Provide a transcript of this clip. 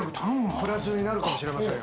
プラスになるかもしれませんよ。